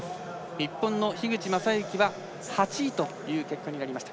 日本の樋口政幸は８位という結果になりました。